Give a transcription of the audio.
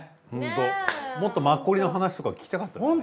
もっとマッコリの話とか聞きたかったですね。